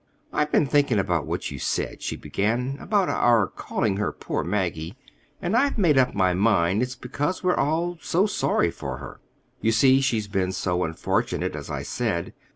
"I've been thinking what you said," she began, "about our calling her 'poor Maggie,' and I've made up my mind it's because we're all so sorry for her. You see, she's been so unfortunate, as I said.